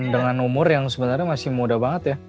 dengan umur yang sebenarnya masih muda banget ya